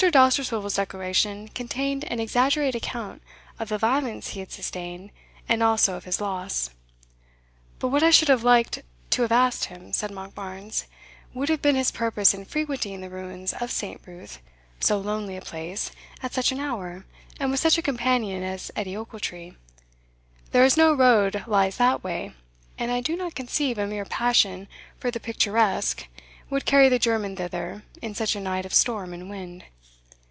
Dousterswivel's declaration contained an exaggerated account of the violence he had sustained, and also of his loss. "But what I should have liked to have asked him," said Monkbarns, "would have been his purpose in frequenting the ruins of St. Ruth, so lonely a place, at such an hour, and with such a companion as Edie Ochiltree. There is no road lies that way, and I do not conceive a mere passion for the picturesque would carry the German thither in such a night of storm and wind.